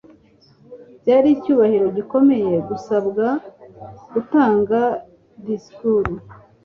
Byari icyubahiro gikomeye gusabwa gutanga disikuru.